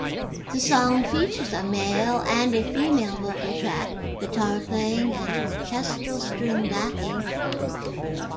The song features a male and female vocal track, guitar-playing and orchestral string backing.